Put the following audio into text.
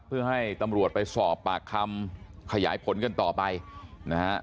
เพื่อให้ตำรวจไปสอบปากคำขยายผลกันต่อไปนะฮะ